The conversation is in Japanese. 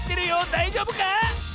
だいじょうぶか？